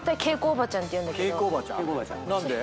何で？